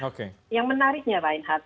dan kemudian lainnya reinhardt